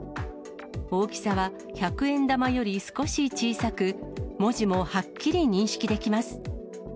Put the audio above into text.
大きさは百円玉より少し小さく、文字もはっきり認識できます。